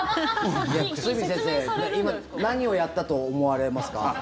久住先生何をやったと思われますか？